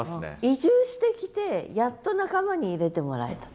移住してきてやっと仲間に入れてもらえたと。